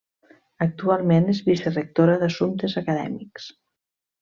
Actualment és vicerectora d’assumptes acadèmics.